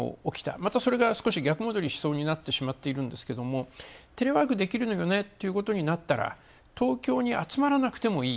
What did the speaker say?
また、それが逆戻りしそうになっているんですけれど、テレワークできるのよねっていうことになったら東京に集まらなくてもいい。